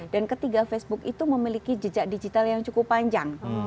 dan ketiga facebook itu memiliki jejak digital yang cukup panjang